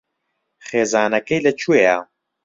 خێزانەکەی لەکوێیە؟